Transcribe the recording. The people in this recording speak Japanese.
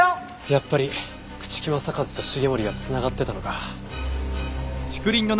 やっぱり朽木政一と繁森は繋がってたのか。